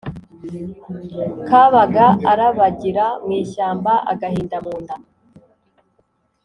Kabaga arabagira mu ishyamba-Agahinda mu nda.